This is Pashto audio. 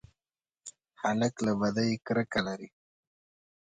هلک له بدۍ کرکه لري.